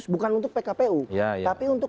bukan untuk pkpu tapi untuk